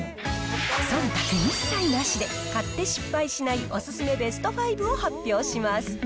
そんたく一切なしで、買って失敗しないお勧めベスト５を発表します。